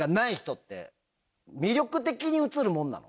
魅力的に映るもんなの？